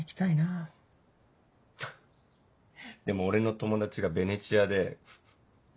あっでも俺の友達がベネチアでフフ。